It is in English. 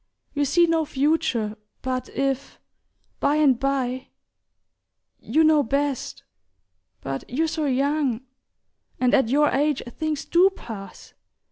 you see no future; but if, by and bye ... you know best ... but you're so young ... and at your age things DO pass.